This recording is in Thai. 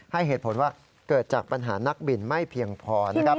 ให้เหตุผลว่าเกิดจากปัญหานักบินไม่เพียงพอนะครับ